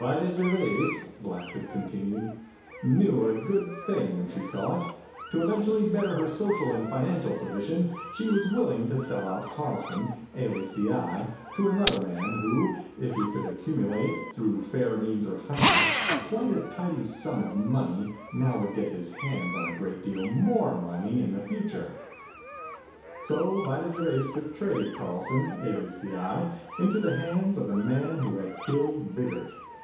"Vida Gervais," Black Hood continued, "knew a good thing when she saw it. To eventually better her social and financial position, she was willing to sell out Carlson, alias the Eye, to another man who, if he could accumulate, through fair means or foul, quite a tidy sum of money now would get his hands on a great deal more money in the future. "So Vida Gervais betrayed Carlson, alias the Eye, into the hands of the man who had killed Biggert.